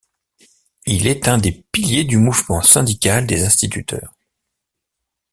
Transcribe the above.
Il est un des piliers du mouvement syndical des instituteurs.